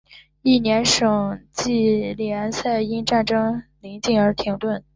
翌年省际联赛因战争临近而停顿。